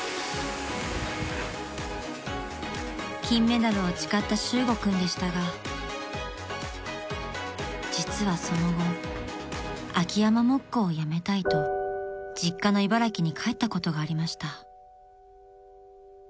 ［金メダルを誓った修悟君でしたが実はその後秋山木工を辞めたいと実家の茨城に帰ったことがありました］